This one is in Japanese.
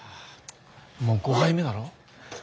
もう５杯目だろ？